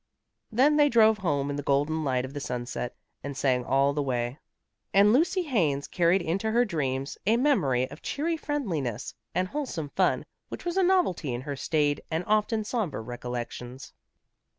Then they drove home in the golden light of the sunset, and sang all the way. And Lucy Haines carried into her dreams a memory of cheery friendliness and wholesome fun which was a novelty in her staid and often sombre recollections.